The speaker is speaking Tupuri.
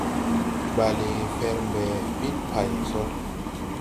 Bale fɛr mbɛ ɓil pay so.